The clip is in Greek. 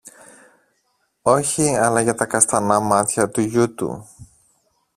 Όχι, αλλά για τα καστανά μάτια του γιου του.